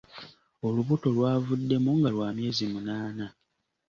Olubuto lwavuddemu nga lwa myezi munaana.